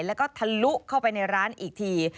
แล้วก็ทะลุเข้าไปในร้านอีกที